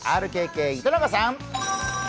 ＲＫＫ、糸永さん。